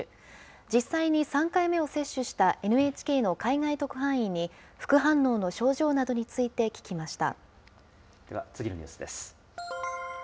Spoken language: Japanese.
実際に３回目を接種したＮＨＫの海外特派員に副反応の症状などにでは、次のニュースです。